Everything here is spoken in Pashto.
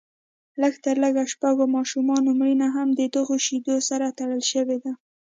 د لږ تر لږه شپږو ماشومانو مړینه هم ددغو شیدو سره تړل شوې ده